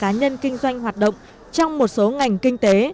cá nhân kinh doanh hoạt động trong một số ngành kinh tế